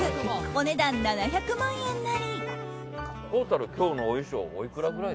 お値段７００万円也。